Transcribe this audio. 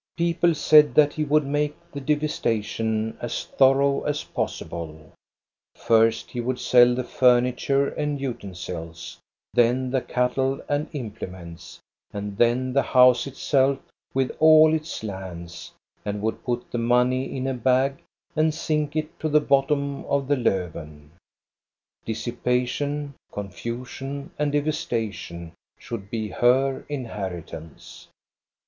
People said that he would make the devastation as thorough as possible ; first he would sell the furniture and utensils, then the cattle and implements, and then the house itself with all its lands, and would put the money in a bag and sink it to the bottom of the Lofven. Dissipation, confusion, and devastation should be her inheritance.